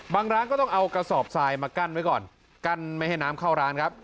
ร้านก็ต้องเอากระสอบทรายมากั้นไว้ก่อนกั้นไม่ให้น้ำเข้าร้านครับ